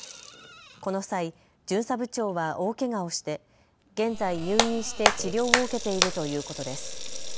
この際、巡査部長は大けがをして現在、入院して治療を受けているということです。